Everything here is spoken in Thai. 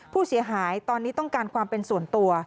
ผู้เสียหายตอนนี้ต้องการความเป็นส่วนตัว